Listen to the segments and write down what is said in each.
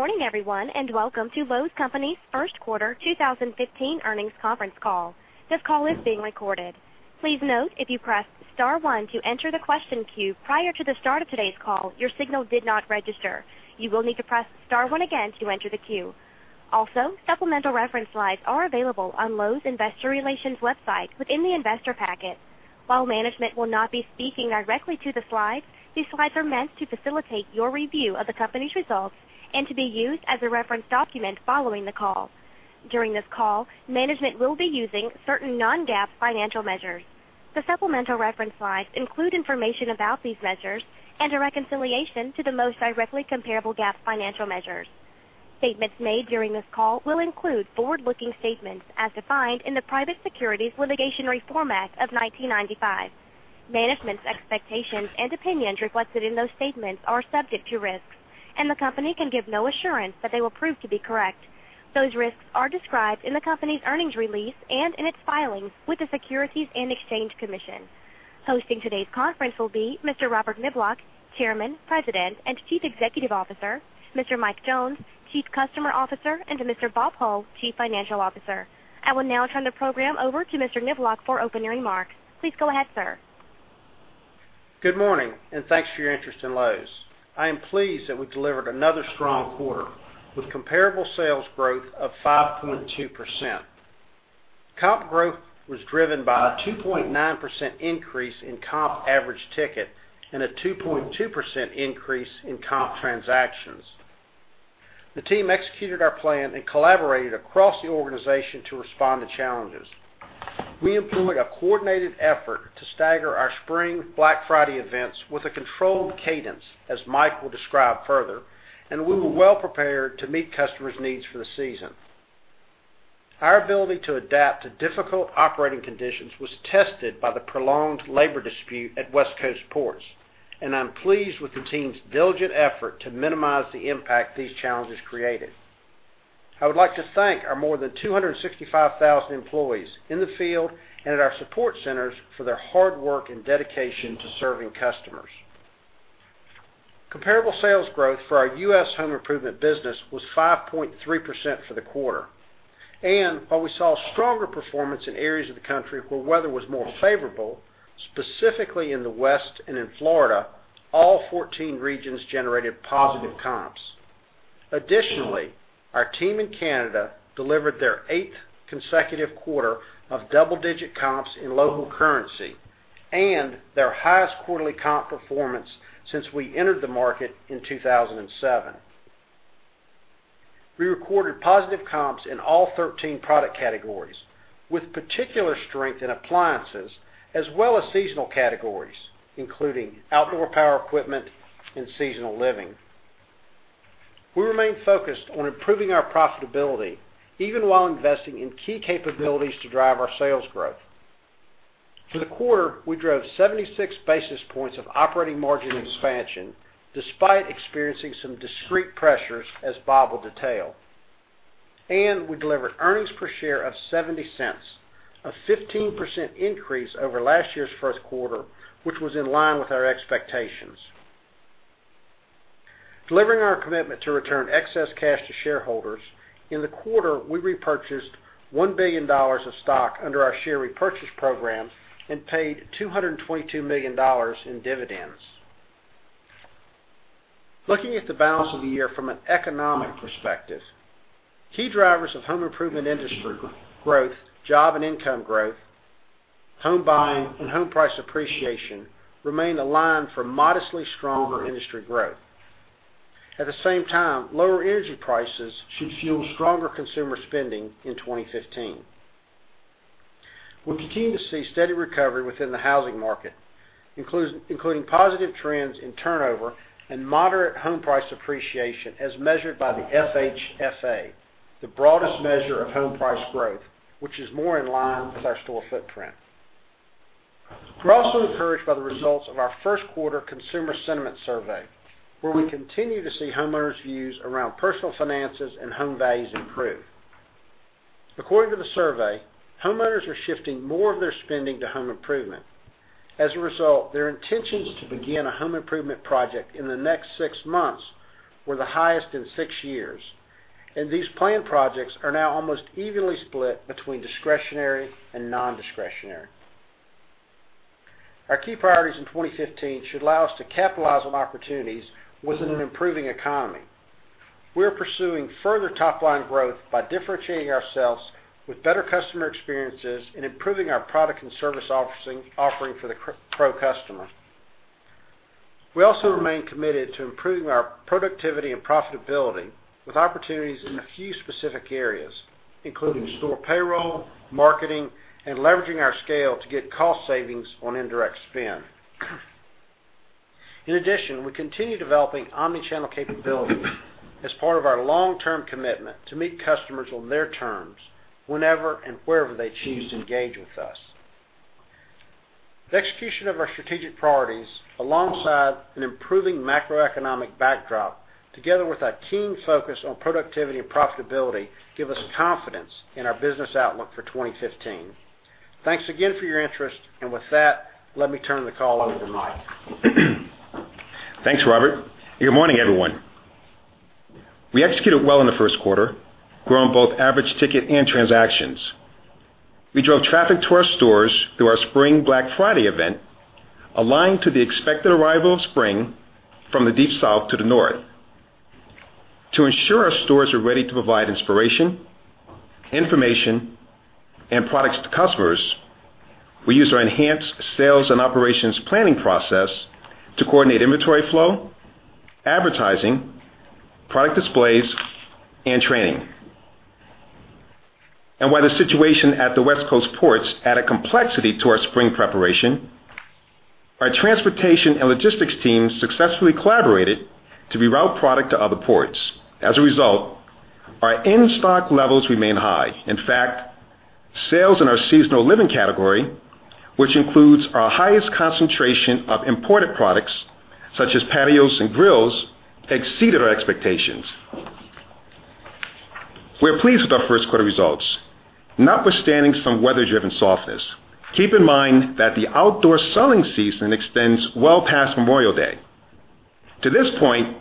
Morning, everyone, welcome to Lowe's Companies first quarter 2015 earnings conference call. This call is being recorded. Please note if you pressed star one to enter the question queue prior to the start of today's call, your signal did not register. You will need to press star one again to enter the queue. Also, supplemental reference slides are available on Lowe's Investor Relations website within the investor packet. While management will not be speaking directly to the slides, these slides are meant to facilitate your review of the company's results and to be used as a reference document following the call. During this call, management will be using certain non-GAAP financial measures. The supplemental reference slides include information about these measures and a reconciliation to the most directly comparable GAAP financial measures. Statements made during this call will include forward-looking statements as defined in the Private Securities Litigation Reform Act of 1995. Management's expectations and opinions reflected in those statements are subject to risks, the company can give no assurance that they will prove to be correct. Those risks are described in the company's earnings release and in its filings with the Securities and Exchange Commission. Hosting today's conference will be Mr. Robert Niblock, Chairman, President, and Chief Executive Officer, Mr. Mike Jones, Chief Customer Officer, and Mr. Bob Hull, Chief Financial Officer. I will now turn the program over to Mr. Niblock for opening remarks. Please go ahead, sir. Good morning, thanks for your interest in Lowe's. I am pleased that we delivered another strong quarter with comparable sales growth of 5.2%. Comp growth was driven by a 2.9% increase in comp average ticket and a 2.2% increase in comp transactions. The team executed our plan and collaborated across the organization to respond to challenges. We employed a coordinated effort to stagger our Spring Black Friday events with a controlled cadence, as Mike will describe further, we were well prepared to meet customers' needs for the season. Our ability to adapt to difficult operating conditions was tested by the prolonged labor dispute at West Coast ports, I'm pleased with the team's diligent effort to minimize the impact these challenges created. I would like to thank our more than 265,000 employees in the field and at our support centers for their hard work and dedication to serving customers. Comparable sales growth for our U.S. home improvement business was 5.3% for the quarter. While we saw stronger performance in areas of the country where weather was more favorable, specifically in the West and in Florida, all 14 regions generated positive comps. Additionally, our team in Canada delivered their eighth consecutive quarter of double-digit comps in local currency and their highest quarterly comp performance since we entered the market in 2007. We recorded positive comps in all 13 product categories, with particular strength in appliances as well as seasonal categories, including outdoor power equipment and Seasonal Living. We remain focused on improving our profitability, even while investing in key capabilities to drive our sales growth. For the quarter, we drove 76 basis points of operating margin expansion despite experiencing some discrete pressures, as Bob will detail. We delivered earnings per share of $0.70, a 15% increase over last year's first quarter, which was in line with our expectations. Delivering our commitment to return excess cash to shareholders, in the quarter, we repurchased $1 billion of stock under our share repurchase program and paid $222 million in dividends. Looking at the balance of the year from an economic perspective, key drivers of home improvement industry growth, job and income growth, home buying, and home price appreciation remain aligned for modestly stronger industry growth. At the same time, lower energy prices should fuel stronger consumer spending in 2015. We continue to see steady recovery within the housing market, including positive trends in turnover and moderate home price appreciation as measured by the FHFA, the broadest measure of home price growth, which is more in line with our store footprint. We're also encouraged by the results of our first quarter consumer sentiment survey, where we continue to see homeowners' views around personal finances and home values improve. According to the survey, homeowners are shifting more of their spending to home improvement. As a result, their intentions to begin a home improvement project in the next six months were the highest in six years, and these planned projects are now almost evenly split between discretionary and non-discretionary. Our key priorities in 2015 should allow us to capitalize on opportunities within an improving economy. We are pursuing further top-line growth by differentiating ourselves with better customer experiences and improving our product and service offering for the pro customer. We also remain committed to improving our productivity and profitability with opportunities in a few specific areas, including store payroll, marketing, and leveraging our scale to get cost savings on indirect spend. In addition, we continue developing omni-channel capabilities as part of our long-term commitment to meet customers on their terms whenever and wherever they choose to engage with us. The execution of our strategic priorities, alongside an improving macroeconomic backdrop, together with our keen focus on productivity and profitability, give us confidence in our business outlook for 2015. Thanks again for your interest. With that, let me turn the call over to Mike. Thanks, Robert. Good morning, everyone. We executed well in the first quarter, growing both average ticket and transactions. We drove traffic to our stores through our spring Black Friday event, aligned to the expected arrival of spring from the Deep South to the North. To ensure our stores are ready to provide inspiration, information, and products to customers, we use our enhanced sales and operations planning process to coordinate inventory flow, advertising, product displays, and training. While the situation at the West Coast ports add a complexity to our spring preparation, our transportation and logistics teams successfully collaborated to reroute product to other ports. As a result, our in-stock levels remain high. In fact, sales in our Seasonal Living category, which includes our highest concentration of imported products such as patios and grills, exceeded our expectations. We're pleased with our first quarter results, notwithstanding some weather-driven softness. Keep in mind that the outdoor selling season extends well past Memorial Day. To this point,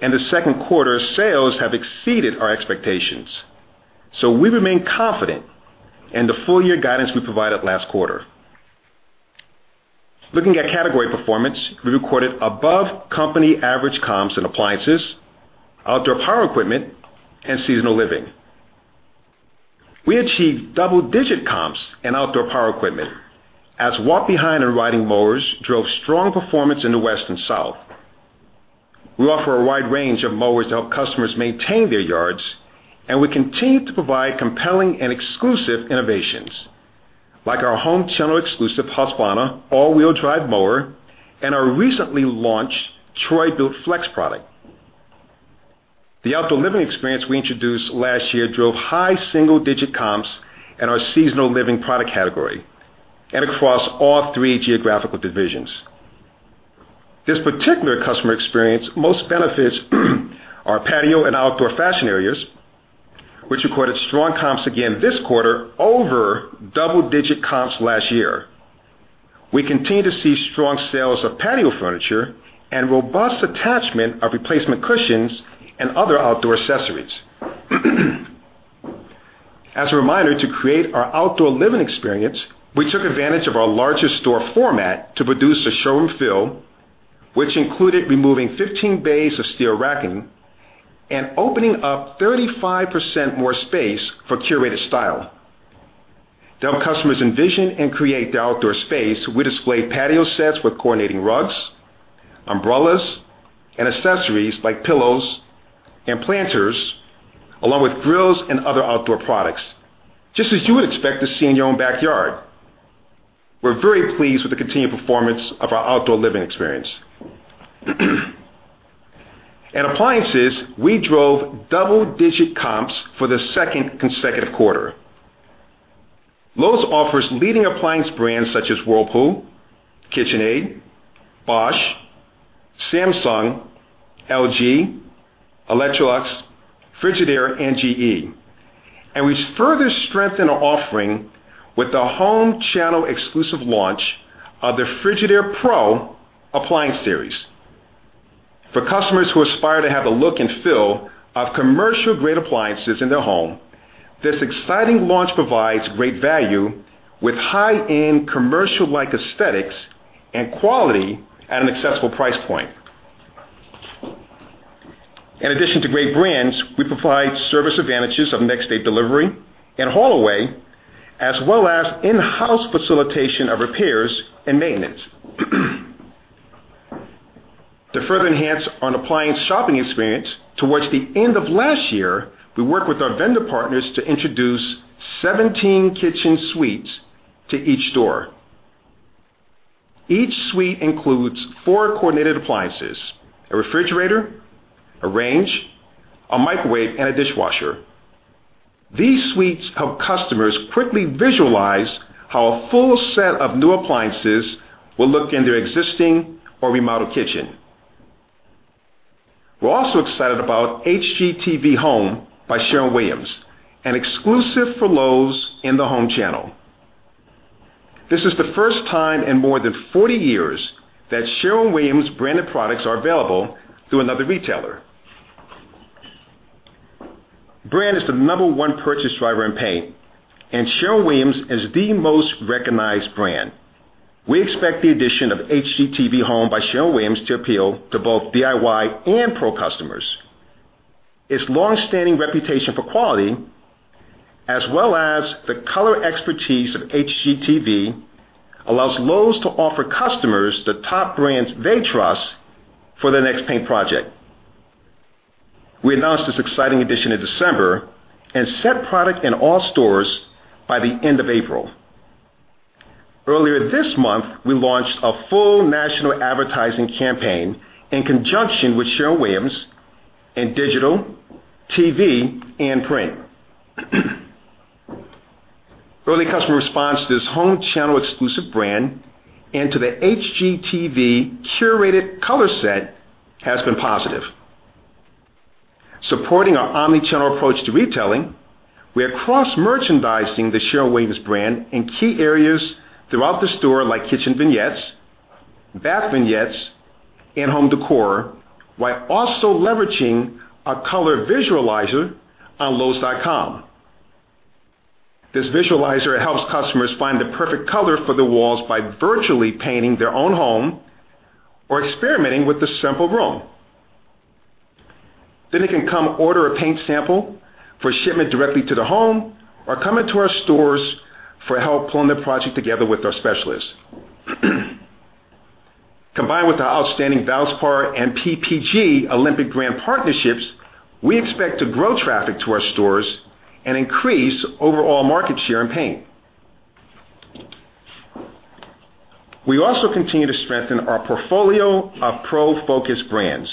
in the second quarter, sales have exceeded our expectations, we remain confident in the full year guidance we provided last quarter. Looking at category performance, we recorded above company average comps in appliances, outdoor power equipment, and Seasonal Living. We achieved double-digit comps in outdoor power equipment, as walk behind and riding mowers drove strong performance in the West and South. We offer a wide range of mowers to help customers maintain their yards, we continue to provide compelling and exclusive innovations, like our home channel exclusive Husqvarna all-wheel drive mower and our recently launched Troy-Bilt FLEX product. The outdoor living experience we introduced last year drove high single-digit comps in our Seasonal Living product category and across all three geographical divisions. This particular customer experience most benefits our patio and outdoor fashion areas, which recorded strong comps again this quarter over double-digit comps last year. We continue to see strong sales of patio furniture and robust attachment of replacement cushions and other outdoor accessories. As a reminder, to create our outdoor living experience, we took advantage of our larger store format to produce a showroom feel, which included removing 15 bays of steel racking and opening up 35% more space for curated style. To help customers envision and create the outdoor space, we display patio sets with coordinating rugs, umbrellas, and accessories like pillows and planters, along with grills and other outdoor products, just as you would expect to see in your own backyard. We're very pleased with the continued performance of our outdoor living experience. In appliances, we drove double-digit comps for the second consecutive quarter. Lowe's offers leading appliance brands such as Whirlpool, KitchenAid, Bosch, Samsung, LG, Electrolux, Frigidaire, and GE. We further strengthen our offering with the home channel exclusive launch of the Frigidaire Pro appliance series. For customers who aspire to have a look and feel of commercial-grade appliances in their home, this exciting launch provides great value with high-end commercial-like aesthetics and quality at an accessible price point. In addition to great brands, we provide service advantages of next-day delivery and haul away, as well as in-house facilitation of repairs and maintenance. To further enhance on appliance shopping experience, towards the end of last year, we worked with our vendor partners to introduce 17 kitchen suites to each store. Each suite includes four coordinated appliances, a refrigerator, a range, a microwave, and a dishwasher. These suites help customers quickly visualize how a full set of new appliances will look in their existing or remodeled kitchen. We're also excited about HGTV Home by Sherwin-Williams, an exclusive for Lowe's in the home channel. This is the first time in more than 40 years that Sherwin-Williams-branded products are available through another retailer. Brand is the number one purchase driver in paint, Sherwin-Williams is the most recognized brand. We expect the addition of HGTV Home by Sherwin-Williams to appeal to both DIY and pro customers. Its long-standing reputation for quality, as well as the color expertise of HGTV, allows Lowe's to offer customers the top brands they trust for their next paint project. We announced this exciting addition in December and set product in all stores by the end of April. Earlier this month, we launched a full national advertising campaign in conjunction with Sherwin-Williams in digital, TV, and print. Early customer response to this home channel exclusive brand and to the HGTV curated color set has been positive. Supporting our omni-channel approach to retailing, we are cross-merchandising the Sherwin-Williams brand in key areas throughout the store, like kitchen vignettes, bath vignettes, and home decor, while also leveraging our color visualizer on lowes.com. This visualizer helps customers find the perfect color for their walls by virtually painting their own home or experimenting with the sample room. They can come order a paint sample for shipment directly to the home or come into our stores for help pulling the project together with our specialists. Combined with our outstanding Valspar and PPG Olympic brand partnerships, we expect to grow traffic to our stores and increase overall market share in paint. We also continue to strengthen our portfolio of pro-focused brands.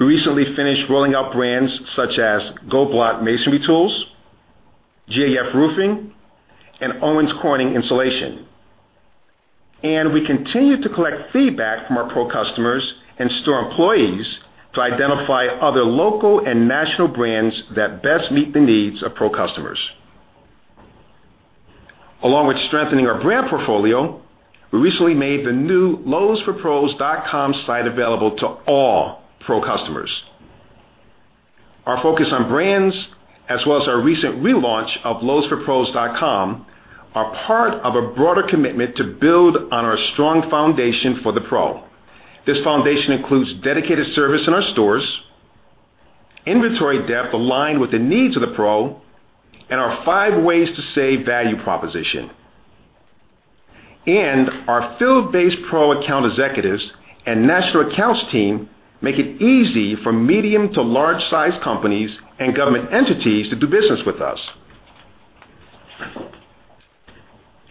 We recently finished rolling out brands such as Goldblatt Masonry Tools, GAF Roofing, and Owens Corning Insulation. We continue to collect feedback from our pro customers and store employees to identify other local and national brands that best meet the needs of pro customers. Along with strengthening our brand portfolio, we recently made the new lowesforpros.com site available to all pro customers. Our focus on brands, as well as our recent relaunch of lowesforpros.com, are part of a broader commitment to build on our strong foundation for the pro. This foundation includes dedicated service in our stores, inventory depth aligned with the needs of the pro, and our five ways to save value proposition. Our field-based pro account executives and national accounts team make it easy for medium to large-sized companies and government entities to do business with us.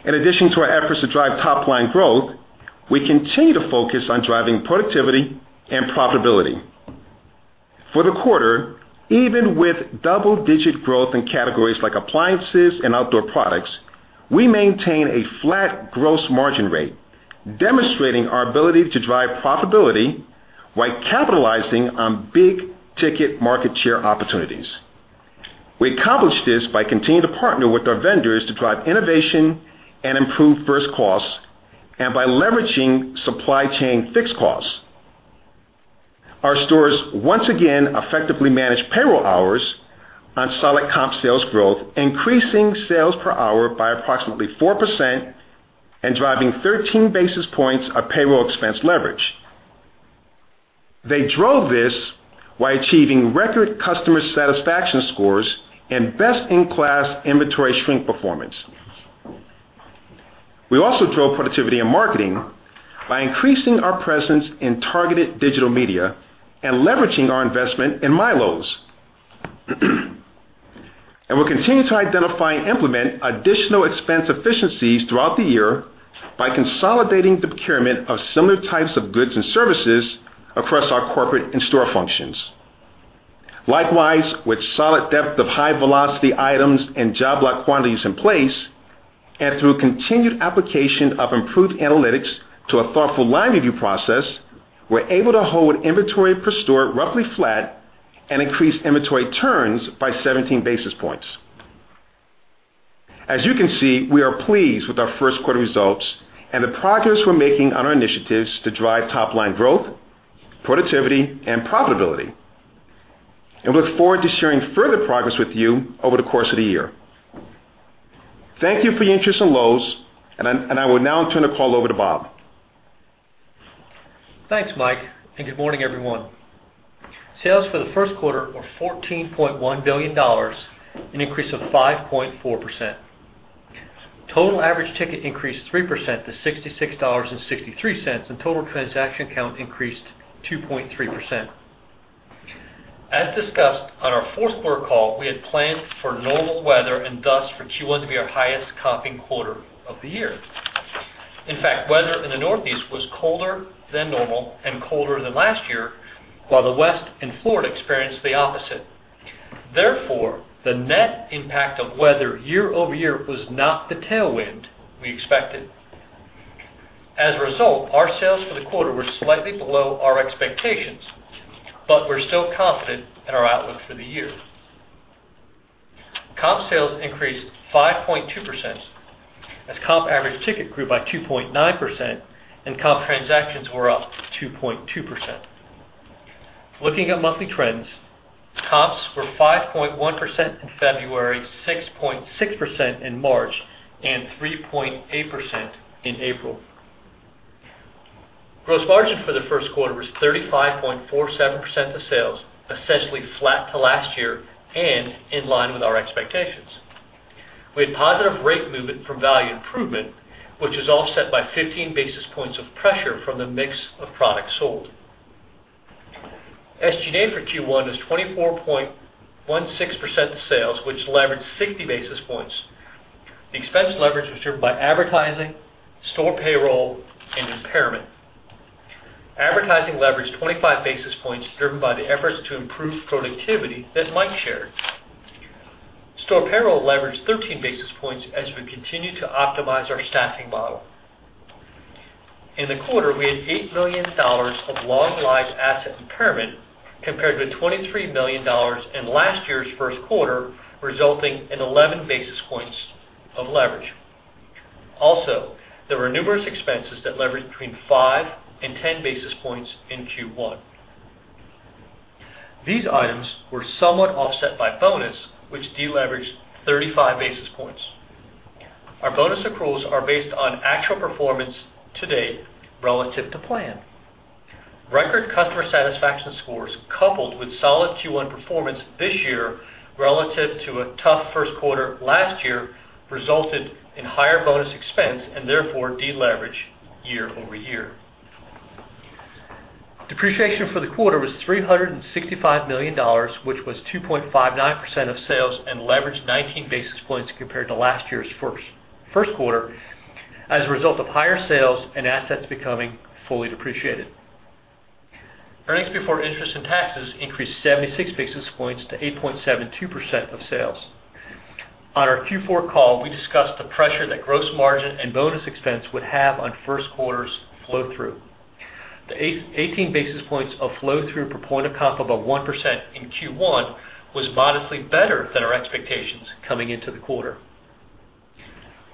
In addition to our efforts to drive top-line growth, we continue to focus on driving productivity and profitability. For the quarter, even with double-digit growth in categories like appliances and outdoor products, we maintain a flat gross margin rate, demonstrating our ability to drive profitability while capitalizing on big-ticket market share opportunities. We accomplish this by continuing to partner with our vendors to drive innovation and improve first costs and by leveraging supply chain fixed costs. Our stores once again effectively manage payroll hours on solid comp sales growth, increasing sales per hour by approximately 4% and driving 13 basis points of payroll expense leverage. They drove this while achieving record customer satisfaction scores and best-in-class inventory shrink performance. We also drove productivity in marketing by increasing our presence in targeted digital media and leveraging our investment in MyLowe's. We'll continue to identify and implement additional expense efficiencies throughout the year by consolidating the procurement of similar types of goods and services across our corporate and store functions. Likewise, with solid depth of high-velocity items and job lot quantities in place, and through continued application of improved analytics to a thoughtful line review process, we're able to hold inventory per store roughly flat and increase inventory turns by 17 basis points. As you can see, we are pleased with our first quarter results and the progress we're making on our initiatives to drive top-line growth, productivity, and profitability, and look forward to sharing further progress with you over the course of the year. Thank you for your interest in Lowe's, I will now turn the call over to Bob. Thanks, Mike, good morning, everyone. Sales for the first quarter were $14.1 billion, an increase of 5.4%. Total average ticket increased 3% to $66.63, and total transaction count increased 2.3%. As discussed on our fourth-quarter call, we had planned for normal weather and thus for Q1 to be our highest comping quarter of the year. In fact, weather in the Northeast was colder than normal and colder than last year, while the West and Florida experienced the opposite. Therefore, the net impact of weather year-over-year was not the tailwind we expected. As a result, our sales for the quarter were slightly below our expectations, we're still confident in our outlook for the year. Comp sales increased 5.2% as comp average ticket grew by 2.9% and comp transactions were up 2.2%. Looking at monthly trends, comps were 5.1% in February, 6.6% in March, and 3.8% in April. Gross margin for the first quarter was 35.47% of sales, essentially flat to last year and in line with our expectations. We had positive rate movement from value improvement, which is offset by 15 basis points of pressure from the mix of products sold. SG&A for Q1 is 24.16% of sales, which leveraged 60 basis points. The expense leverage was driven by advertising, store payroll, and impairment. Advertising leveraged 25 basis points driven by the efforts to improve productivity that Mike shared. Store payroll leveraged 13 basis points as we continue to optimize our staffing model. In the quarter, we had $8 million of long-lived asset impairment compared to $23 million in last year's first quarter, resulting in 11 basis points of leverage. Also, there were numerous expenses that leveraged between 5 and 10 basis points in Q1. These items were somewhat offset by bonus, which deleveraged 35 basis points. Our bonus accruals are based on actual performance to date relative to plan. Record customer satisfaction scores coupled with solid Q1 performance this year relative to a tough first quarter last year resulted in higher bonus expense and therefore deleverage year-over-year. Depreciation for the quarter was $365 million, which was 2.59% of sales and leveraged 19 basis points compared to last year's first quarter as a result of higher sales and assets becoming fully depreciated. Earnings before interest and taxes increased 76 basis points to 8.72% of sales. On our Q4 call, we discussed the pressure that gross margin and bonus expense would have on first quarter's flow-through. The 18 basis points of flow-through per point of comp above 1% in Q1 was modestly better than our expectations coming into the quarter.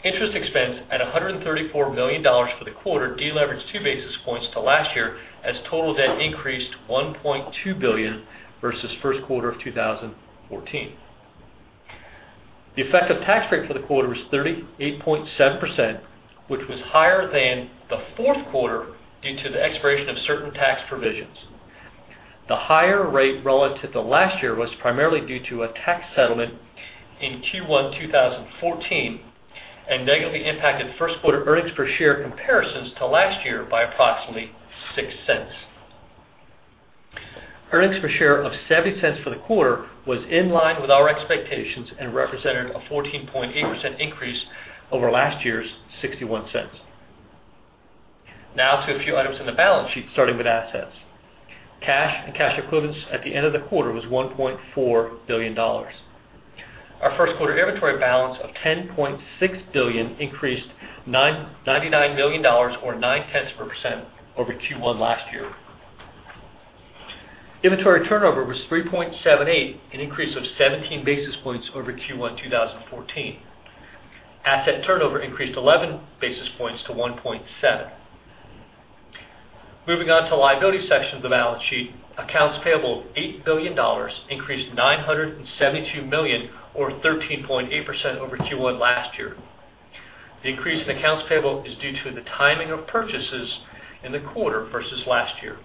Interest expense at $134 million for the quarter deleveraged two basis points to last year as total debt increased to $1.2 billion versus the first quarter of 2014. The effective tax rate for the quarter was 38.7%, which was higher than the fourth quarter due to the expiration of certain tax provisions. The higher rate relative to last year was primarily due to a tax settlement in Q1 2014 and negatively impacted first-quarter earnings per share comparisons to last year by approximately $0.06. Earnings per share of $0.70 for the quarter was in line with our expectations and represented a 14.8% increase over last year's $0.61. To a few items on the balance sheet, starting with assets. Cash and cash equivalents at the end of the quarter was $1.4 billion. Our first quarter inventory balance of $10.6 billion increased $99 million or 0.9% over Q1 last year. Inventory turnover was 3.78, an increase of 17 basis points over Q1 2014. Asset turnover increased 11 basis points to 1.7. Moving on to the liability section of the balance sheet, accounts payable of $8 billion increased $972 million or 13.8% over Q1 last year. The increase in accounts payable is due to the timing of purchases in the quarter versus last year.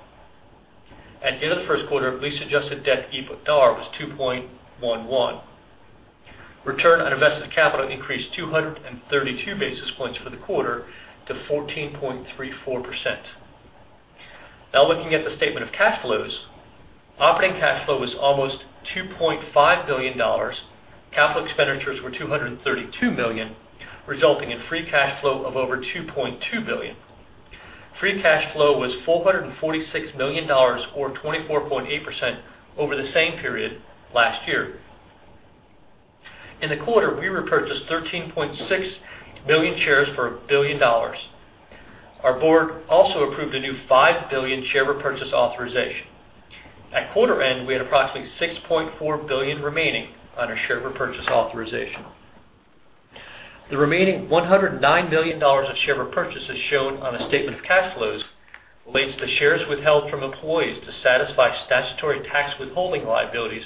At the end of the first quarter, lease-adjusted debt-EBITDA was 2.11. Return on invested capital increased 232 basis points for the quarter to 14.34%. Looking at the statement of cash flows. Operating cash flow was almost $2.5 billion. Capital expenditures were $232 million, resulting in free cash flow of over $2.2 billion. Free cash flow was $446 million, or 24.8% over the same period last year. In the quarter, we repurchased 13.6 million shares for $1 billion. Our board also approved a new $5 billion share repurchase authorization. At quarter end, we had approximately $6.4 billion remaining on our share repurchase authorization. The remaining $109 million of share repurchases shown on the statement of cash flows relates to shares withheld from employees to satisfy statutory tax withholding liabilities,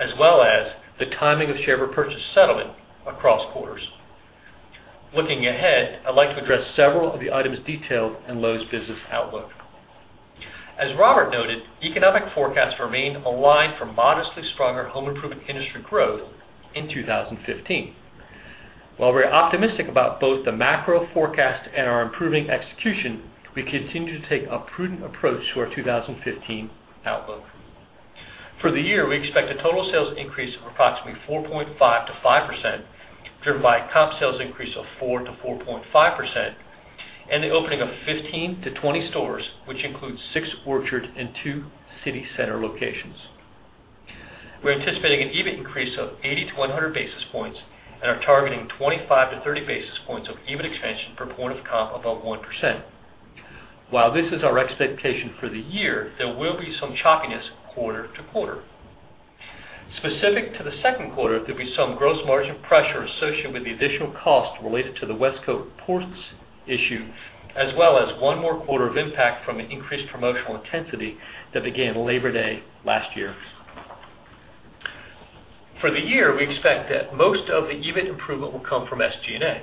as well as the timing of share repurchase settlement across quarters. Looking ahead, I'd like to address several of the items detailed in Lowe's business outlook. As Robert noted, economic forecasts remain aligned for modestly stronger home improvement industry growth in 2015. While we're optimistic about both the macro forecast and our improving execution, we continue to take a prudent approach to our 2015 outlook. For the year, we expect a total sales increase of approximately 4.5%-5%, driven by comp sales increase of 4%-4.5% and the opening of 15-20 stores, which includes six Orchard and two city center locations. We're anticipating an EBIT increase of 80-100 basis points and are targeting 25-30 basis points of EBIT expansion per point of comp above 1%. While this is our expectation for the year, there will be some choppiness quarter to quarter. Specific to the second quarter, there'll be some gross margin pressure associated with the additional cost related to the West Coast ports issue, as well as one more quarter of impact from the increased promotional intensity that began Labor Day last year. For the year, we expect that most of the EBIT improvement will come from SG&A.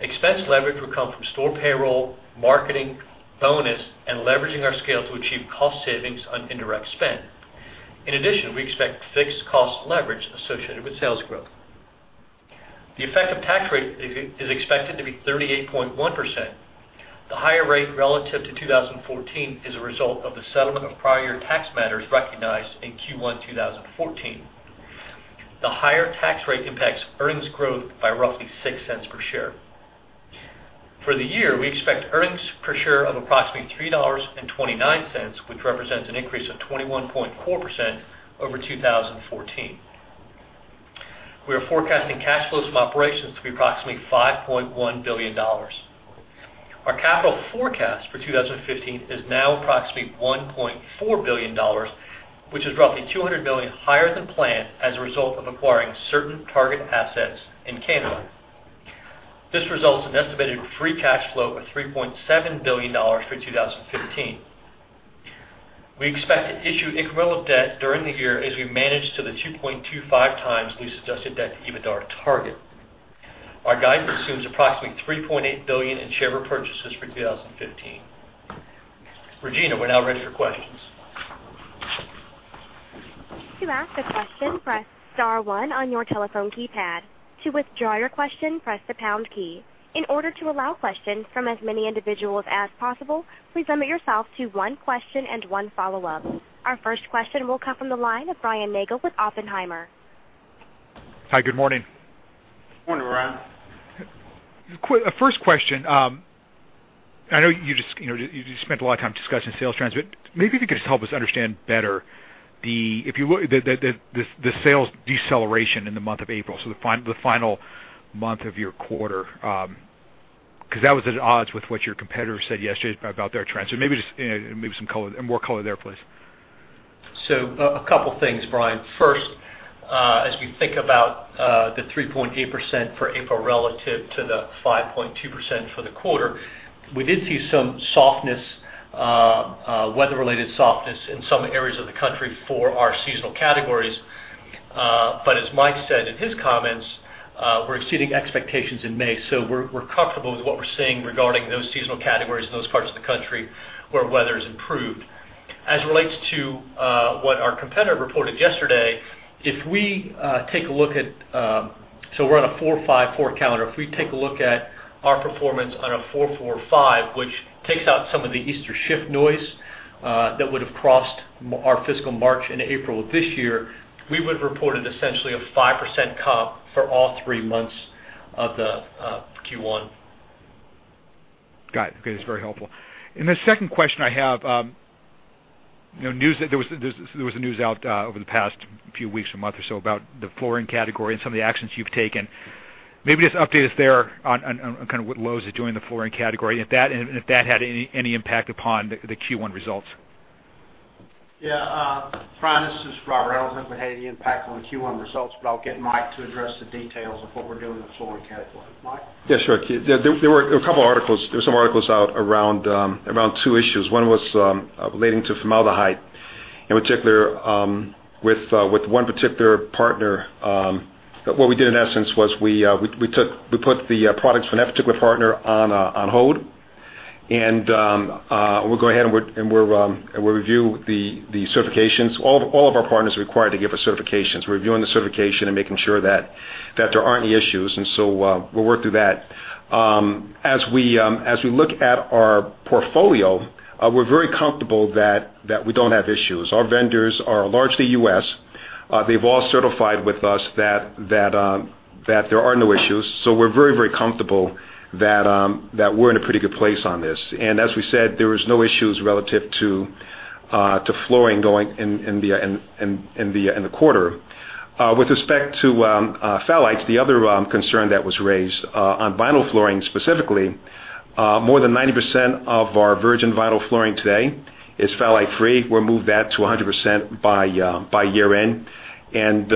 Expense leverage will come from store payroll, marketing, bonus, and leveraging our scale to achieve cost savings on indirect spend. In addition, we expect fixed cost leverage associated with sales growth. The effective tax rate is expected to be 38.1%. The higher rate relative to 2014 is a result of the settlement of prior tax matters recognized in Q1 2014. The higher tax rate impacts earnings growth by roughly $0.06 per share. For the year, we expect earnings per share of approximately $3.29, which represents an increase of 21.4% over 2014. We are forecasting cash flows from operations to be approximately $5.1 billion. Our capital forecast for 2015 is now approximately $1.4 billion, which is roughly $200 million higher than planned as a result of acquiring certain target assets in Canada. This results in estimated free cash flow of $3.7 billion for 2015. We expect to issue incremental debt during the year as we manage to the 2.25 times we suggested that EBITDA target. Our guidance assumes approximately $3.8 billion in share repurchases for 2015. Regina, we're now ready for questions. To ask a question, press star one on your telephone keypad. To withdraw your question, press the pound key. In order to allow questions from as many individuals as possible, please limit yourself to one question and one follow-up. Our first question will come from the line of Brian Nagel with Oppenheimer. Hi, good morning. Morning, Brian. First question. I know you just spent a lot of time discussing sales trends, but maybe if you could just help us understand better the sales deceleration in the month of April, so the final month of your quarter. That was at odds with what your competitors said yesterday about their trends. Maybe just some more color there, please. A two things, Brian. First, as we think about the 3.8% for April relative to the 5.2% for the quarter, we did see some weather-related softness in some areas of the country for our seasonal categories. As Mike said in his comments, we're exceeding expectations in May. We're comfortable with what we're seeing regarding those seasonal categories in those parts of the country where weather's improved. As it relates to what our competitor reported yesterday, we're on a 4-5-4 calendar. If we take a look at our performance on a 4-4-5, which takes out some of the Easter shift noise that would have crossed our fiscal March and April of this year, we would have reported essentially a 5% comp for all three months of the Q1. Got it. Okay, that's very helpful. The second question I have, there was news out over the past few weeks or month or so about the flooring category and some of the actions you've taken. Maybe just update us there on kind of what Lowe's is doing in the flooring category, and if that had any impact upon the Q1 results. Yeah. Brian, this is Rob. I don't think we had any impact on the Q1 results. I'll get Mike to address the details of what we're doing in the flooring category. Mike? Yeah, sure. There were a couple articles out around two issues. One was relating to formaldehyde. In particular, with one particular partner, what we did, in essence, was we put the products from that particular partner on hold. We'll go ahead and we'll review the certifications. All of our partners are required to give us certifications. We're reviewing the certification and making sure that there aren't any issues. We'll work through that. As we look at our portfolio, we're very comfortable that we don't have issues. Our vendors are largely U.S. They've all certified with us that there are no issues. We're very, very comfortable that we're in a pretty good place on this. As we said, there was no issues relative to flooring going in the quarter. With respect to phthalates, the other concern that was raised on vinyl flooring specifically, more than 90% of our virgin vinyl flooring today is phthalate-free. We'll move that to 100% by year-end.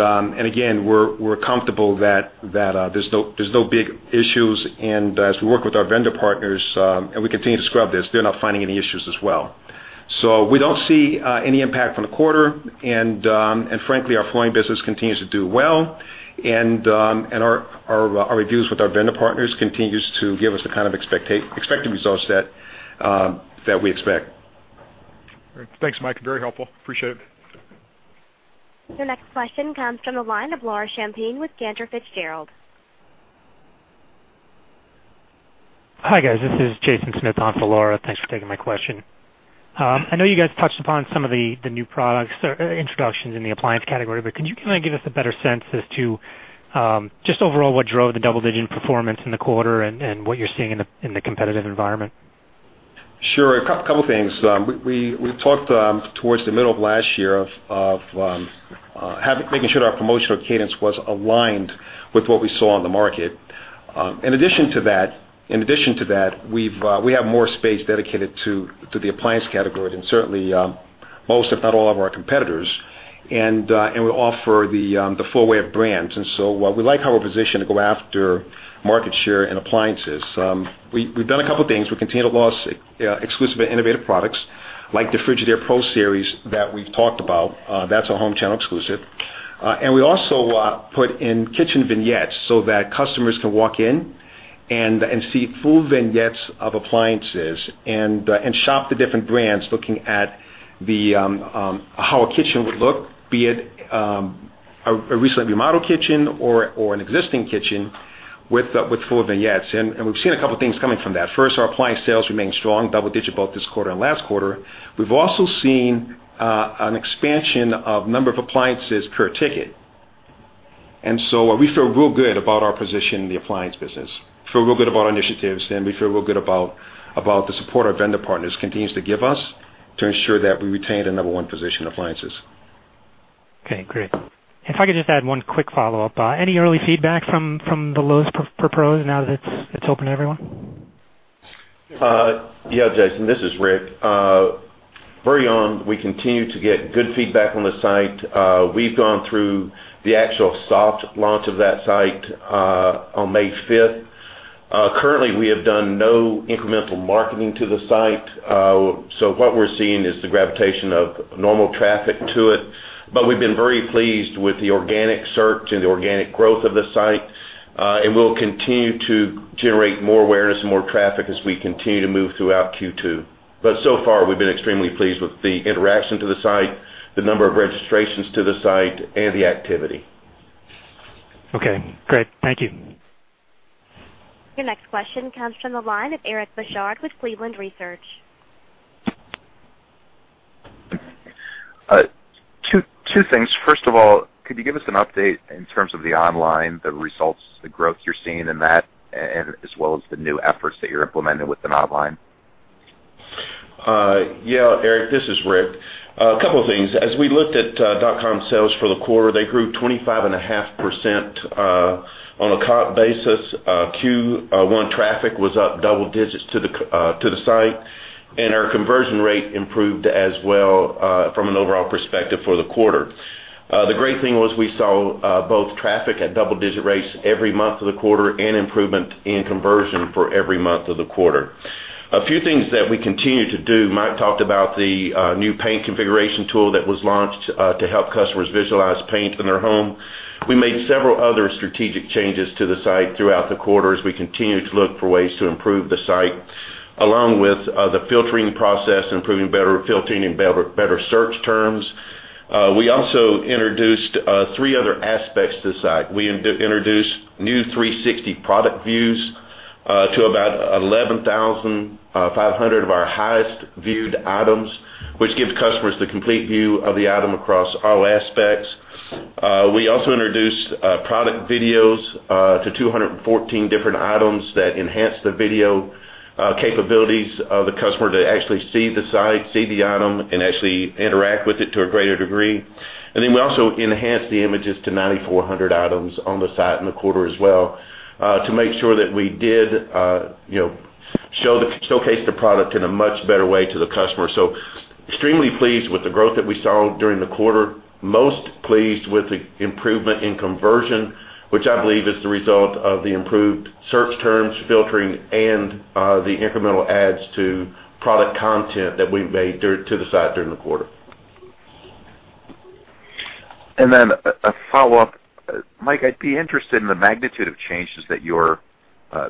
Again, we're comfortable that there's no big issues. As we work with our vendor partners, and we continue to scrub this, they're not finding any issues as well. We don't see any impact from the quarter. Frankly, our flooring business continues to do well. Our reviews with our vendor partners continues to give us the kind of expected results that we expect. Great. Thanks, Mike. Very helpful. Appreciate it. The next question comes from the line of Laura Champine with Cantor Fitzgerald. Hi, guys. This is Jason Smith on for Laura. Thanks for taking my question. I know you guys touched upon some of the new products or introductions in the appliance category, but could you kind of give us a better sense as to just overall what drove the double-digit performance in the quarter and what you're seeing in the competitive environment? Sure. A couple things. We talked towards the middle of last year of making sure that our promotional cadence was aligned with what we saw on the market. In addition to that, we have more space dedicated to the appliance category than certainly most, if not all, of our competitors. We offer the full array of brands. So we like how we're positioned to go after market share and appliances. We've done a couple things. We continue to launch exclusive and innovative products like the Frigidaire Professional series that we've talked about. That's a home channel exclusive. We also put in kitchen vignettes so that customers can walk in and see full vignettes of appliances and shop the different brands, looking at how a kitchen would look, be it a recently remodeled kitchen or an existing kitchen with full vignettes. We've seen a couple things coming from that. First, our appliance sales remain strong, double-digit both this quarter and last quarter. We've also seen an expansion of number of appliances per ticket. So we feel real good about our position in the appliance business, feel real good about our initiatives, and we feel real good about the support our vendor partners continues to give us. To ensure that we retain the number one position in appliances. Okay, great. If I could just add one quick follow-up. Any early feedback from the lowesforpros.com now that it's open to everyone? Yeah, Jason, this is Rick. Very well, we continue to get good feedback on the site. We've gone through the actual soft launch of that site on May 5th. Currently, we have done no incremental marketing to the site. What we're seeing is the gravitation of normal traffic to it. We've been very pleased with the organic search and the organic growth of the site. We'll continue to generate more awareness and more traffic as we continue to move throughout Q2. So far, we've been extremely pleased with the interaction to the site, the number of registrations to the site, and the activity. Okay, great. Thank you. Your next question comes from the line of Eric Bosshard with Cleveland Research Company. Two things. First of all, could you give us an update in terms of the online, the results, the growth you're seeing in that, as well as the new efforts that you're implementing with the online? Yeah, Eric, this is Rick. A couple of things. As we looked at dot-com sales for the quarter, they grew 25.5% on a comp basis. Q1 traffic was up double digits to the site, and our conversion rate improved as well from an overall perspective for the quarter. The great thing was we saw both traffic at double-digit rates every month of the quarter and improvement in conversion for every month of the quarter. A few things that we continue to do. Mike talked about the new paint configuration tool that was launched to help customers visualize paint in their home. We made several other strategic changes to the site throughout the quarter as we continue to look for ways to improve the site, along with the filtering process, improving better filtering and better search terms. We also introduced three other aspects to the site. We introduced new 360 product views to about 11,500 of our highest viewed items, which gives customers the complete view of the item across all aspects. We also introduced product videos to 214 different items that enhance the video capabilities of the customer to actually see the site, see the item, and actually interact with it to a greater degree. We also enhanced the images to 9,400 items on the site in the quarter as well to make sure that we did showcase the product in a much better way to the customer. Extremely pleased with the growth that we saw during the quarter. Most pleased with the improvement in conversion, which I believe is the result of the improved search terms filtering and the incremental ads to product content that we made to the site during the quarter. A follow-up. Mike, I'd be interested in the magnitude of changes that you're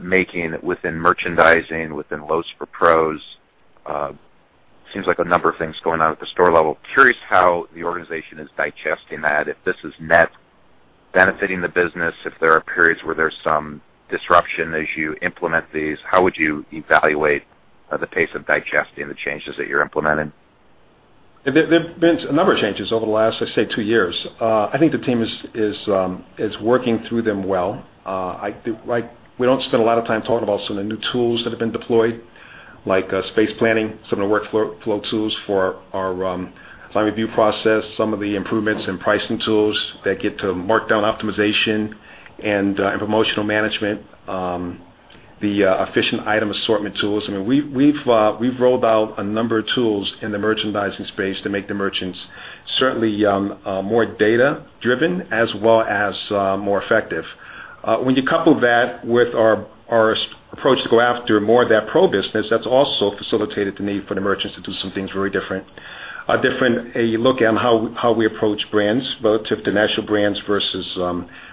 making within merchandising, within Lowe's for Pros. Seems like a number of things going on at the store level. Curious how the organization is digesting that. If this is net benefiting the business, if there are periods where there's some disruption as you implement these, how would you evaluate the pace of digesting the changes that you're implementing? There's been a number of changes over the last, I'd say, two years. I think the team is working through them well. We don't spend a lot of time talking about some of the new tools that have been deployed, like space planning, some of the workflow tools for our design review process, some of the improvements in pricing tools that get to markdown optimization and promotional management, the efficient item assortment tools. We've rolled out a number of tools in the merchandising space to make the merchants certainly more data-driven as well as more effective. You couple that with our approach to go after more of that pro business, that's also facilitated the need for the merchants to do some things very different. A different look at how we approach brands, relative to national brands versus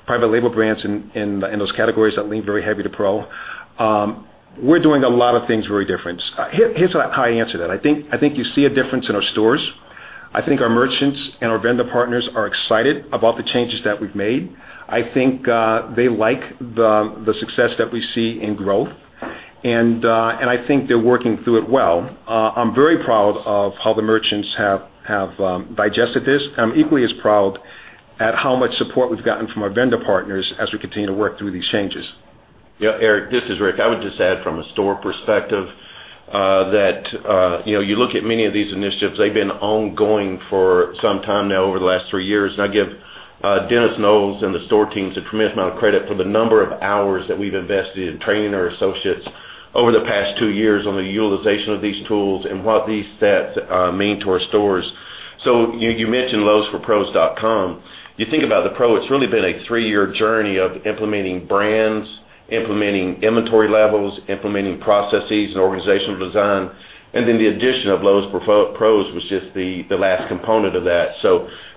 private label brands in those categories that lean very heavy to pro. We're doing a lot of things very different. Here's how I answer that. I think you see a difference in our stores. I think our merchants and our vendor partners are excited about the changes that we've made. They like the success that we see in growth, I think they're working through it well. I'm very proud of how the merchants have digested this. I'm equally as proud at how much support we've gotten from our vendor partners as we continue to work through these changes. Yeah, Eric, this is Rick. I would just add from a store perspective that you look at many of these initiatives, they've been ongoing for some time now over the last three years. I give Dennis Knowles and the store teams a tremendous amount of credit for the number of hours that we've invested in training our associates over the past two years on the utilization of these tools and what these sets mean to our stores. You mentioned lowesforpros.com. You think about the pro, it's really been a three-year journey of implementing brands, implementing inventory levels, implementing processes and organizational design. The addition of Lowe's for Pros was just the last component of that.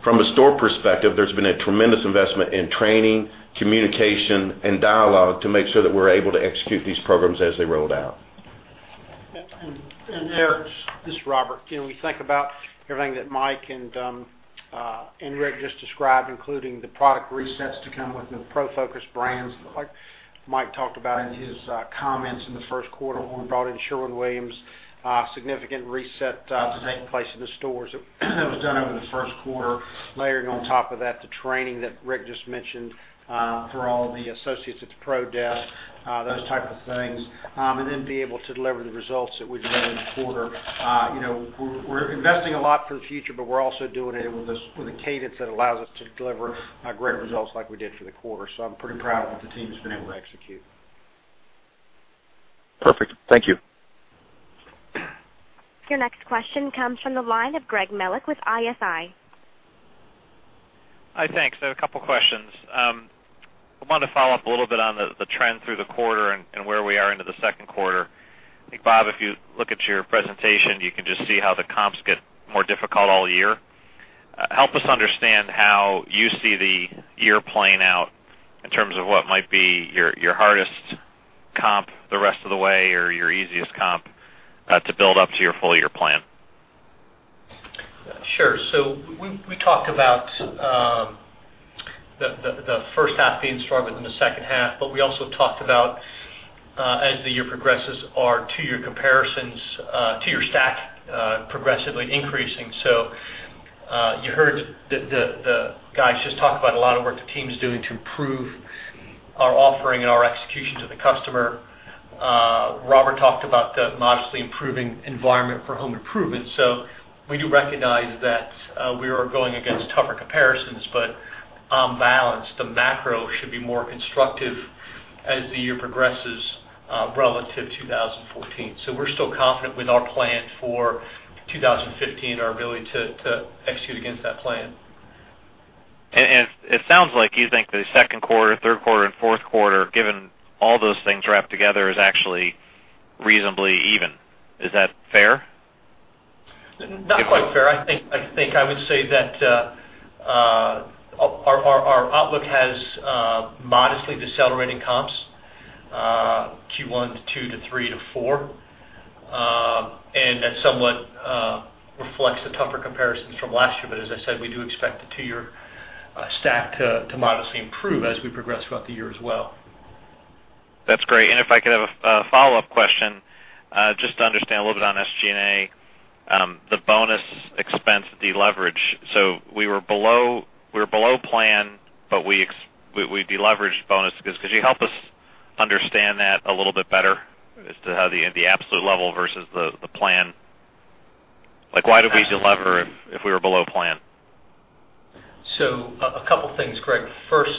From a store perspective, there's been a tremendous investment in training, communication, and dialogue to make sure that we're able to execute these programs as they roll out. Eric, this is Robert. We think about everything that Mike and Rick just described, including the product resets to come with the pro-focused brands, like Mike talked about in his comments in the first quarter when we brought in Sherwin-Williams, a significant reset to take place in the stores that was done over the first quarter. Layered on top of that, the training that Rick just mentioned for all the associates at the pro desk, those type of things. Then be able to deliver the results that we did in the quarter. We're investing a lot for the future, but we're also doing it with a cadence that allows us to deliver great results like we did for the quarter. I'm pretty proud of what the team's been able to execute. Perfect. Thank you. Your next question comes from the line of Greg Melich with ISI. Hi, thanks. I have a couple of questions. I wanted to follow up a little bit on the trend through the quarter and where we are into the second quarter. I think, Bob, if you look at your presentation, you can just see how the comps get more difficult all year. Help us understand how you see the year playing out in terms of what might be your hardest comp the rest of the way or your easiest comp to build up to your full year plan. Sure. We talked about the first half being stronger than the second half. We also talked about as the year progresses, our two-year stack progressively increasing. You heard the guys just talk about a lot of work the team's doing to improve our offering and our execution to the customer. Robert talked about the modestly improving environment for home improvement. We do recognize that we are going against tougher comparisons. On balance, the macro should be more constructive as the year progresses relative to 2014. We're still confident with our plan for 2015 and our ability to execute against that plan. It sounds like you think the second quarter, third quarter, and fourth quarter, given all those things wrapped together, is actually reasonably even. Is that fair? Not quite fair. I think I would say that our outlook has modestly decelerating comps, Q1 to two to three to four. That somewhat reflects the tougher comparisons from last year. As I said, we do expect the two-year stack to modestly improve as we progress throughout the year as well. That's great. If I could have a follow-up question, just to understand a little bit on SG&A, the bonus expense deleverage. We were below plan, but we deleveraged bonus. Could you help us understand that a little bit better as to how the absolute level versus the plan? Why do we delever if we were below plan? A couple things, Greg. First,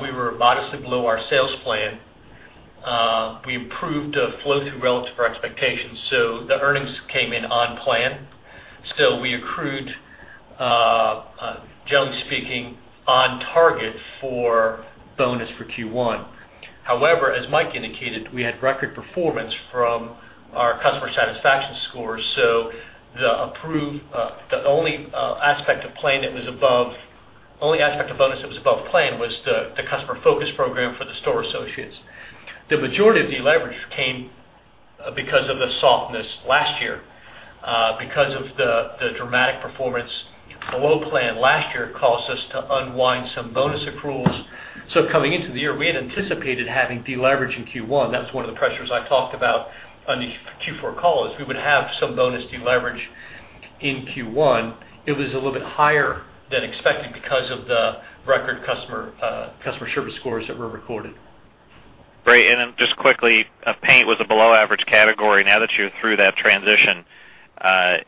we were modestly below our sales plan. We improved flow through relative to our expectations, so the earnings came in on plan. Still, we accrued, generally speaking, on target for bonus for Q1. However, as Mike indicated, we had record performance from our customer satisfaction scores, so the only aspect of bonus that was above plan was the Customer Focus Program for the store associates. The majority of deleverage came because of the softness last year because of the dramatic performance below plan last year caused us to unwind some bonus accruals. Coming into the year, we had anticipated having deleverage in Q1. That was one of the pressures I talked about on the Q4 call is we would have some bonus deleverage in Q1. It was a little bit higher than expected because of the record customer service scores that were recorded. Great. Then just quickly, paint was a below average category. Now that you're through that transition,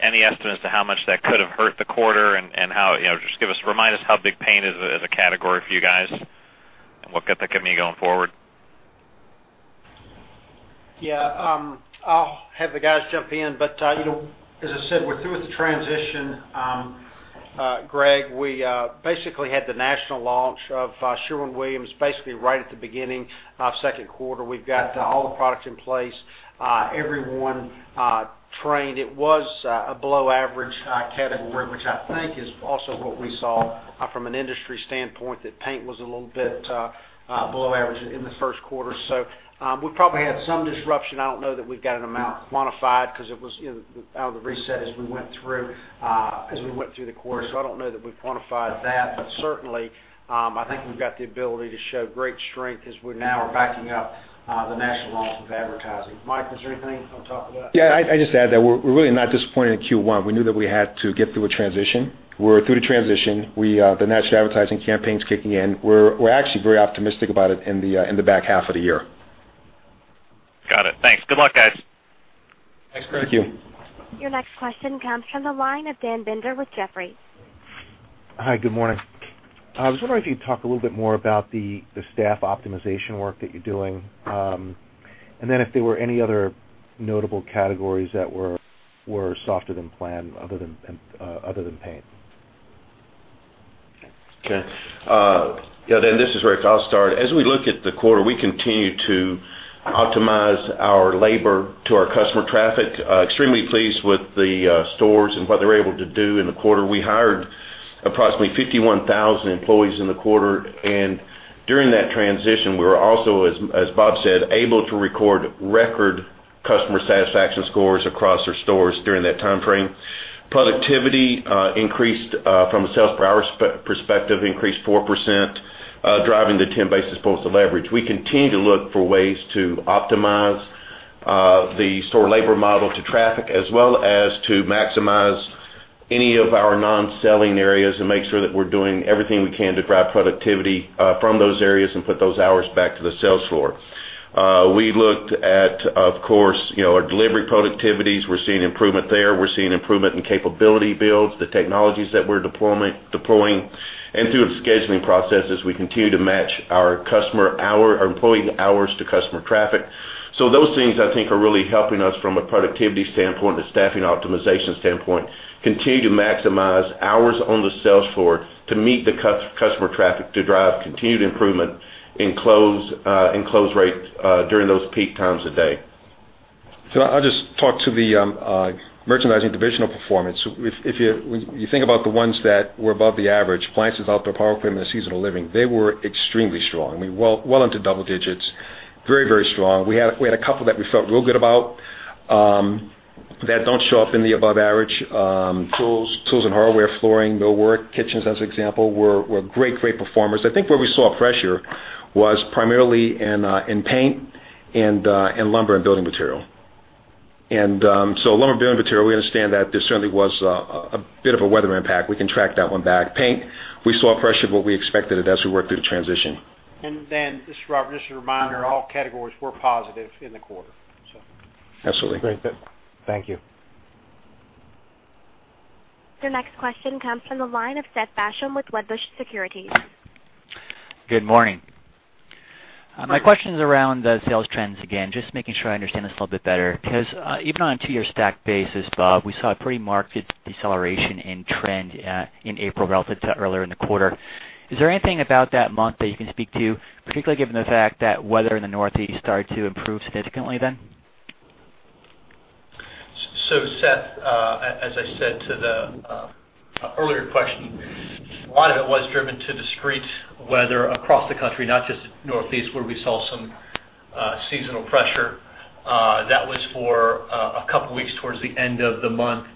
any estimate as to how much that could have hurt the quarter and just remind us how big paint is as a category for you guys and what could that mean going forward? Yeah. I'll have the guys jump in. As I said, we're through with the transition, Greg. We basically had the national launch of Sherwin-Williams basically right at the beginning of second quarter. We've got all the products in place, everyone trained. It was a below average category, which I think is also what we saw from an industry standpoint, that paint was a little bit below average in the first quarter. We probably had some disruption. I don't know that we've got an amount quantified because it was out of the reset as we went through the quarter. I don't know that we've quantified that. Certainly, I think we've got the ability to show great strength as we now are backing up the national launch with advertising. Mike, was there anything you want to talk about? Yeah. I'd just add that we're really not disappointed in Q1. We knew that we had to get through a transition. We're through the transition. The national advertising campaign's kicking in. We're actually very optimistic about it in the back half of the year. Got it. Thanks. Good luck, guys. Thanks, Greg. Thank you. Your next question comes from the line of Dan Binder with Jefferies. Hi. Good morning. I was wondering if you could talk a little bit more about the staff optimization work that you're doing, and then if there were any other notable categories that were softer than planned other than paint. Okay. Dan, this is Rick. I'll start. As we look at the quarter, we continue to optimize our labor to our customer traffic. Extremely pleased with the stores and what they were able to do in the quarter. We hired approximately 51,000 employees in the quarter, and during that transition, we were also, as Bob said, able to record customer satisfaction scores across our stores during that time frame. Productivity increased from a sales per hour perspective, increased 4%, driving the 10 basis points of leverage. We continue to look for ways to optimize the store labor model to traffic, as well as to maximize any of our non-selling areas and make sure that we're doing everything we can to drive productivity from those areas and put those hours back to the sales floor. We looked at, of course, our delivery productivities. We're seeing improvement there. We're seeing improvement in capability builds, the technologies that we're deploying. Through the scheduling processes, we continue to match our employee hours to customer traffic. Those things, I think, are really helping us from a productivity standpoint, a staffing optimization standpoint, continue to maximize hours on the sales floor to meet the customer traffic to drive continued improvement in close rate during those peak times of day. I'll just talk to the merchandising divisional performance. If you think about the ones that were above the average, appliances, outdoor power equipment, Seasonal Living, they were extremely strong. I mean, well into double digits. Very strong. We had a couple that we felt real good about that don't show up in the above average. Tools. Tools and hardware, flooring, millwork, kitchens, for example, were great performers. I think where we saw pressure was primarily in paint and lumber and building material. Lumber and building material, we understand that there certainly was a bit of a weather impact. We can track that one back. Paint, we saw pressure, but we expected it as we worked through the transition. This is Robert, just a reminder, all categories were positive in the quarter. Absolutely. Great. Thank you. The next question comes from the line of Seth Basham with Wedbush Securities. Good morning. Go ahead. My question's around the sales trends again, just making sure I understand this a little bit better, because even on a two-year stack basis, Bob, we saw a pretty marked deceleration in trend in April relative to earlier in the quarter. Is there anything about that month that you can speak to, particularly given the fact that weather in the Northeast started to improve significantly then? Seth, as I said to the earlier question, a lot of it was driven by discrete weather across the country, not just Northeast, where we saw some seasonal pressure. That was for a couple of weeks towards the end of the month.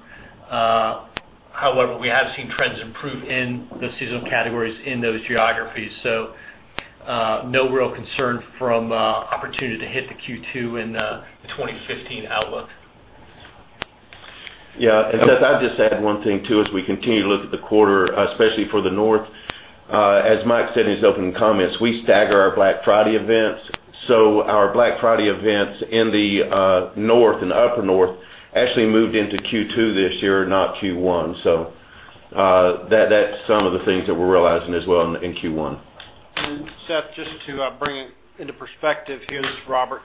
However, we have seen trends improve in the seasonal categories in those geographies. No real concern from opportunity to hit the Q2 in the 2015 outlook. Seth, I'll just add one thing too. As we continue to look at the quarter, especially for the North, as Mike said in his opening comments, we stagger our Black Friday events. Our Black Friday events in the North and the Upper North actually moved into Q2 this year, not Q1. That's some of the things that we're realizing as well in Q1. Seth, just to bring it into perspective here, this is Robert.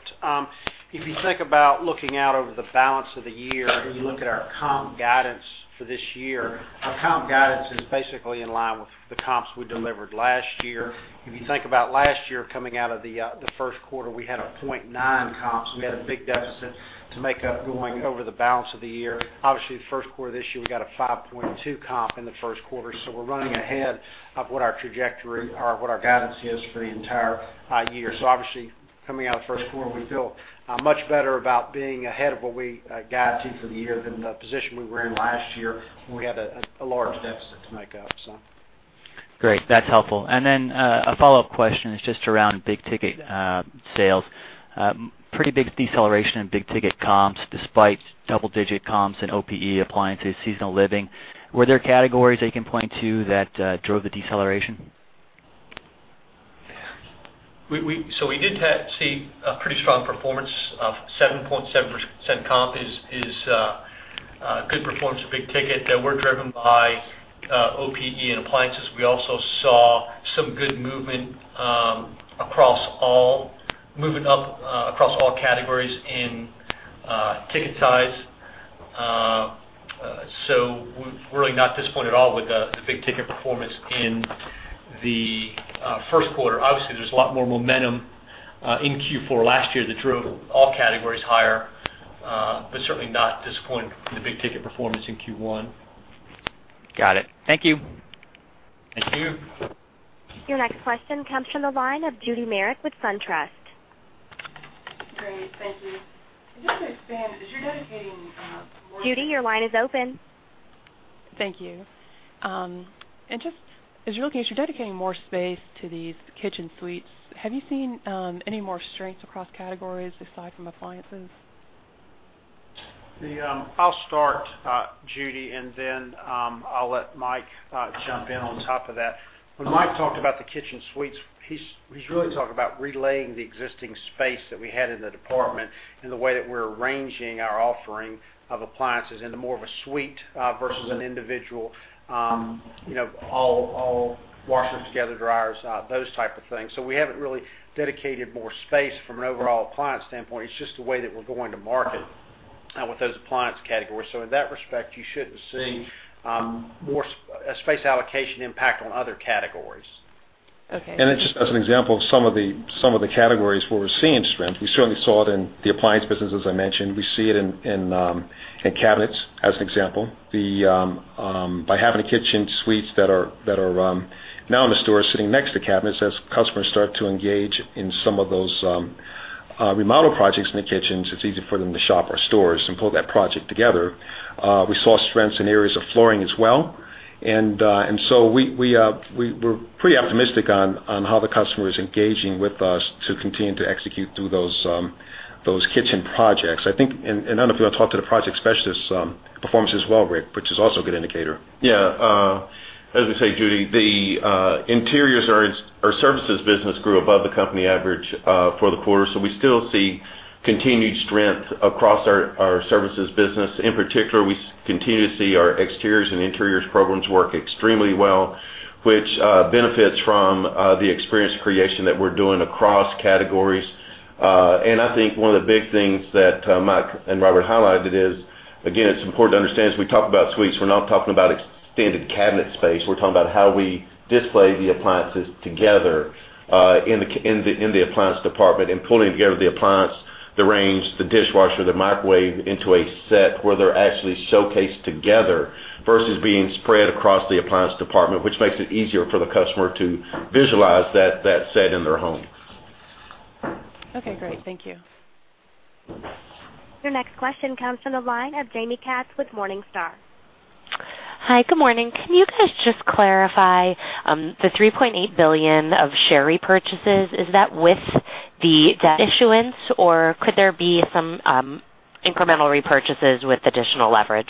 If you think about looking out over the balance of the year, as you look at our comp guidance for this year, our comp guidance is basically in line with the comps we delivered last year. If you think about last year coming out of the first quarter, we had a 0.9 comps. We had a big deficit to make up going over the balance of the year. Obviously, the first quarter of this year, we got a 5.2 comp in the first quarter. We're running ahead of what our trajectory or what our guidance is for the entire year. Obviously, coming out of the first quarter, we feel much better about being ahead of what we guide to for the year than the position we were in last year, where we had a large deficit to make up. Great. That's helpful. Then, a follow-up question is just around big-ticket sales. Pretty big deceleration in big ticket comps despite double-digit comps in OPE, appliances, Seasonal Living. Were there categories that you can point to that drove the deceleration? We did see a pretty strong performance of 7.7% comp is good performance for big ticket that were driven by OPE and appliances. We also saw some good movement up across all categories in ticket size. We are really not disappointed at all with the big ticket performance in the first quarter. Obviously, there is a lot more momentum in Q4 last year that drove all categories higher. Certainly not disappointed in the big ticket performance in Q1. Got it. Thank you. Thank you. Your next question comes from the line of Judy Merrick with SunTrust. Great. Thank you. Just to expand, as you're dedicating more- Judy, your line is open. Thank you. Just as you're looking, as you're dedicating more space to these kitchen suites, have you seen any more strength across categories aside from appliances? I'll start, Judy, and then I'll let Mike jump in on top of that. When Mike talked about the kitchen suites, he's really talking about relaying the existing space that we had in the department and the way that we're arranging our offering of appliances into more of a suite versus an individual all washers together, dryers, those type of things. We haven't really dedicated more space from an overall appliance standpoint. It's just the way that we're going to market with those appliance categories. In that respect, you shouldn't see a space allocation impact on other categories. Okay. Just as an example of some of the categories where we're seeing strength, we certainly saw it in the appliance business, as I mentioned. We see it in cabinets as an example. By having the kitchen suites that are now in the store sitting next to cabinets, as customers start to engage in some of those remodel projects in the kitchens, it's easy for them to shop our stores and pull that project together. We saw strengths in areas of flooring as well. We're pretty optimistic on how the customer is engaging with us to continue to execute through those kitchen projects. I think, I don't know if you want to talk to the Project Specialists, performance as well, Rick, which is also a good indicator. Yeah. As we say, Judy, the interiors or services business grew above the company average for the quarter. We still see continued strength across our services business. In particular, we continue to see our Exteriors and Interiors Programs work extremely well, which benefits from the experience creation that we're doing across categories. I think one of the big things that Mike and Robert highlighted is, again, it's important to understand, as we talk about suites, we're not talking about extended cabinet space. We're talking about how we display the appliances together in the appliance department and pulling together the appliance, the range, the dishwasher, the microwave into a set where they're actually showcased together versus being spread across the appliance department, which makes it easier for the customer to visualize that set in their home. Okay, great. Thank you. Your next question comes from the line of Jaime Katz with Morningstar. Hi, good morning. Can you guys just clarify the $3.8 billion of share repurchases, is that with the debt issuance, or could there be some incremental repurchases with additional leverage?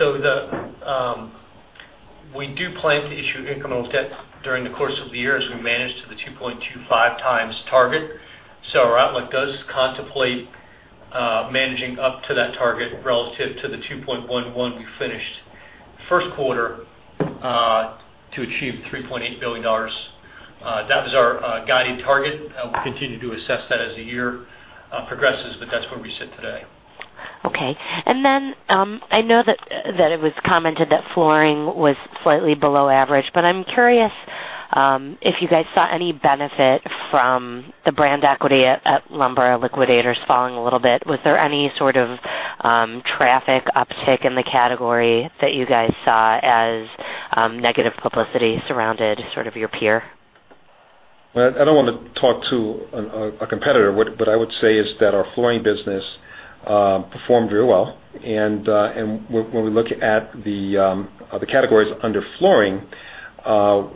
We do plan to issue incremental debt during the course of the year as we manage to the 2.25 times target. Our outlook does contemplate managing up to that target relative to the 2.11 we finished first quarter to achieve $3.8 billion. That was our guided target, and we'll continue to assess that as the year progresses, but that's where we sit today. Okay. I know that it was commented that flooring was slightly below average, but I'm curious if you guys saw any benefit from the brand equity at Lumber Liquidators falling a little bit. Was there any sort of traffic uptick in the category that you guys saw as negative publicity surrounded sort of your peer? Well, I don't want to talk to a competitor. What I would say is that our flooring business performed very well. When we look at the categories under flooring,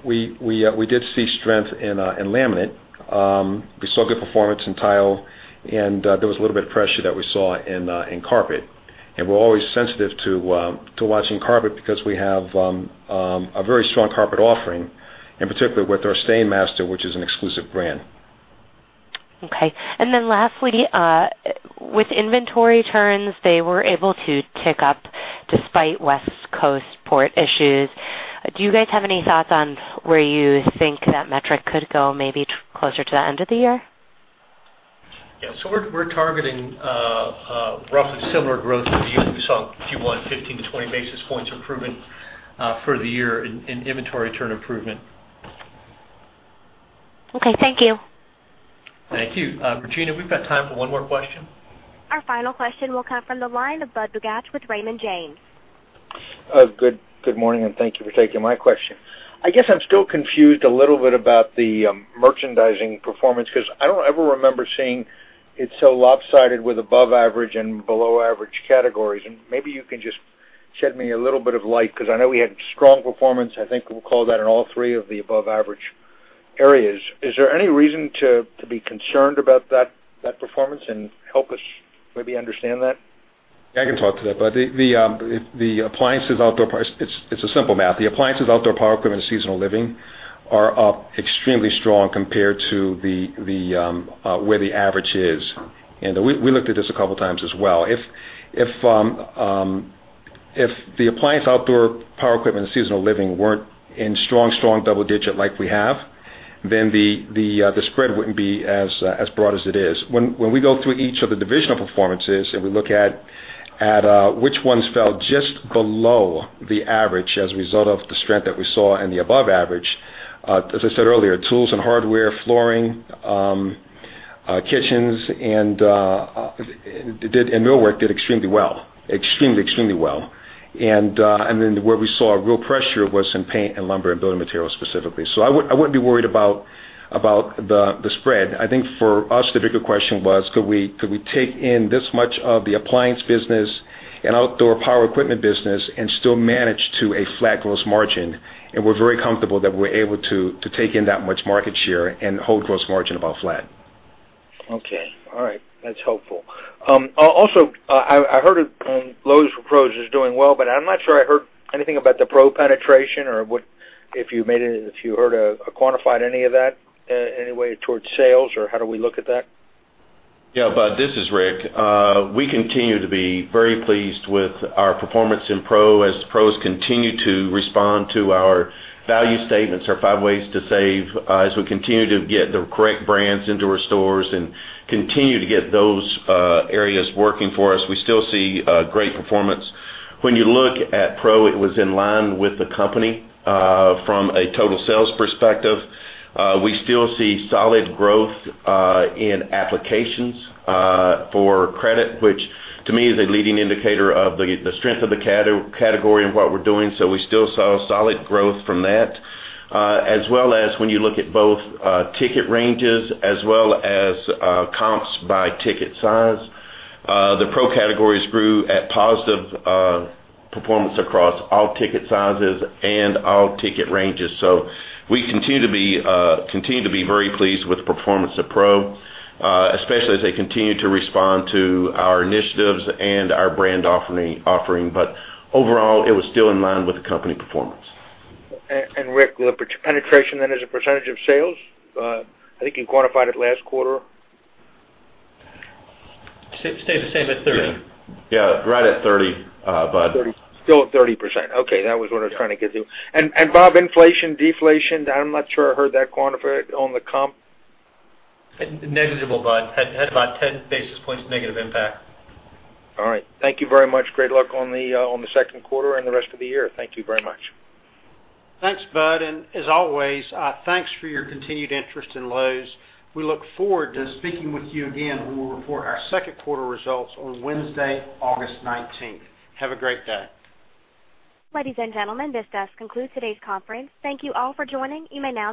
we did see strength in laminate. We saw good performance in tile, and there was a little bit of pressure that we saw in carpet. We're always sensitive to watching carpet because we have a very strong carpet offering, in particular with our STAINMASTER, which is an exclusive brand. Lastly, with inventory turns, they were able to tick up despite West Coast port issues. Do you guys have any thoughts on where you think that metric could go, maybe closer to the end of the year? Yeah. We're targeting roughly similar growth for the year. We saw, if you want, 15 to 20 basis points improvement for the year in inventory turn improvement. Okay, thank you. Thank you. Regina, we've got time for one more question. Our final question will come from the line of Budd Bugatch with Raymond James. Good morning, thank you for taking my question. I guess I'm still confused a little bit about the merchandising performance because I don't ever remember seeing it so lopsided with above average and below average categories. Maybe you can just shed me a little bit of light because I know we had strong performance, I think we'll call that, in all three of the above-average areas. Is there any reason to be concerned about that performance, and help us maybe understand that? I can talk to that, Budd. It's simple math. The appliances, outdoor power equipment, and seasonal living are up extremely strong compared to where the average is. We looked at this a couple times as well. If the appliance, outdoor power equipment, and seasonal living weren't in strong double-digit like we have, then the spread wouldn't be as broad as it is. When we go through each of the divisional performances and we look at which ones fell just below the average as a result of the strength that we saw and the above average, as I said earlier, tools and hardware, flooring, kitchens, and millwork did extremely well. Extremely well. Where we saw real pressure was in paint and lumber and building materials specifically. I wouldn't be worried about the spread. I think for us, the bigger question was, could we take in this much of the appliance business and outdoor power equipment business and still manage to a flat gross margin? We're very comfortable that we're able to take in that much market share and hold gross margin about flat. Okay. All right. That's helpful. Also, I heard Lowe's Pros is doing well, but I'm not sure I heard anything about the Pro penetration or if you heard or quantified any of that, in any way towards sales, or how do we look at that? Yeah, Budd, this is Rick. We continue to be very pleased with our performance in Pro as Pros continue to respond to our value statements, our Five Ways to Save, as we continue to get the correct brands into our stores and continue to get those areas working for us. We still see great performance. When you look at Pro, it was in line with the company from a total sales perspective. We still see solid growth in applications for credit, which to me is a leading indicator of the strength of the category and what we're doing. We still saw solid growth from that. As well as when you look at both ticket ranges as well as comps by ticket size, the Pro categories grew at positive performance across all ticket sizes and all ticket ranges. We continue to be very pleased with the performance of Pro, especially as they continue to respond to our initiatives and our brand offering. Overall, it was still in line with the company performance. Rick, the penetration then as a percentage of sales? I think you quantified it last quarter. Stayed the same at 30. Yeah, right at 30, Budd. Still at 30%. Okay, that was what I was trying to get to. Bob, inflation, deflation? I'm not sure I heard that quantified on the comp. Negligible, Budd. Had about 10 basis points negative impact. All right. Thank you very much. Great luck on the second quarter and the rest of the year. Thank you very much. Thanks, Budd. As always, thanks for your continued interest in Lowe's. We look forward to speaking with you again when we report our second quarter results on Wednesday, August 19th. Have a great day. Ladies and gentlemen, this does conclude today's conference. Thank you all for joining. You may now disconnect.